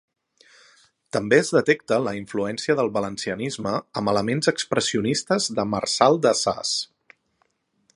També es detecta la influència del valencianisme amb elements expressionistes de Marçal de Sas.